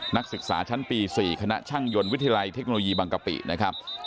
นักศึกษาชั้นปี๔คณะช่างยนต์วิทยาลัยเทคโนโลยีบางกะปินะครับ